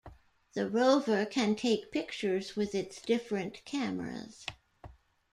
The rover can take pictures with its different cameras.